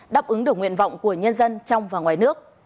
đáp ứng được nguyện vọng của nhân dân trong và ngoài nước